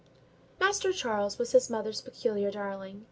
Master Charles was his mother's peculiar darling.